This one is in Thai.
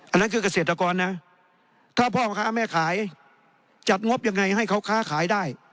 อันนั้นคือกเกษตรกรนะ